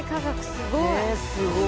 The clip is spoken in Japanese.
すごい。